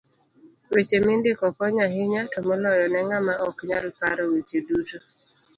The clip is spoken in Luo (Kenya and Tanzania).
Weche mindiko konyo ahinya to moloyo ne ng'ama oknyal paro weche duto.